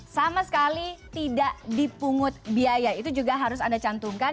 sama sekali tidak dipungut biaya itu juga harus anda cantumkan